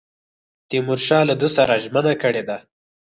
تیمورشاه له ده سره ژمنه کړې ده.